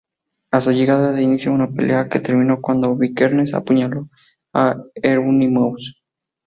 A su llegada se inició una pelea, que terminó cuando Vikernes apuñaló a Euronymous.